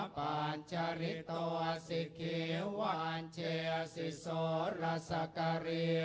ปัญชาฤตตวาสิขิววัญเจสิโสรสกรี